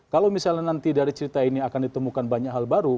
kalau misalnya nanti dari cerita ini akan ditemukan banyak hal baru